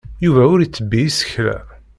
Yuba ur ittebbi isekla.